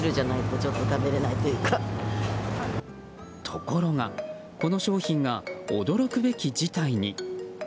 ところが、この商品が驚くべき事態に。